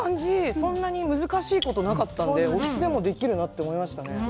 そんなに難しいことなかったのでおうちでもできるなと思いましたね。